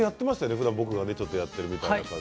ふだん僕がやってるような感じで。